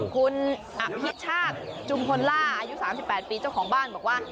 คุณอภิชาติจุมพลล่าอายุ๓๘ปีเจ้าของบ้านบอกว่า